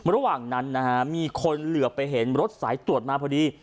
ระหว่างนั้นนะฮะมีคนเหลือไปเห็นรถสายตรวจมาพอดี